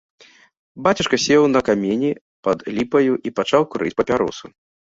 Бацюшка сеў на камені пад ліпаю і пачаў курыць папяросу.